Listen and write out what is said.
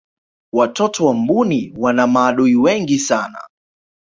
watoto wa mbuni wana maadui wengi sana